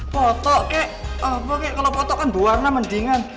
potok kek apa kek kalau potok kan berwarna mendingan